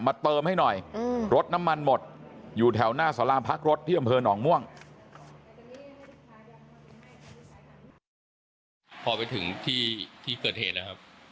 พอไปถึงที่เกอร์เทศนะครับ